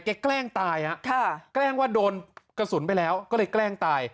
แกแกล้งตายแกล้งว่าโดนกระสุนไปแล้วก็เลยแกล้งตาย